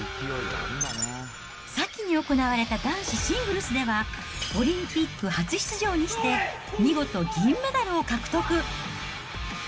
先に行われた男子シングルスでは、オリンピック初出場にして、見事銀メダルを獲得。